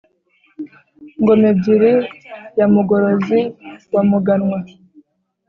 ngom-ebyiri ya mugorozi wa muganwa,